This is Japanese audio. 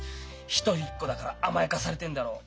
一人っ子だから甘やかされてるんだろう。